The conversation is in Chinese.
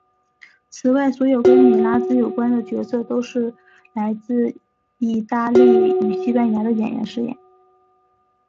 此外所有跟米拉兹有关的角色都是由来自义大利与西班牙的演员饰演。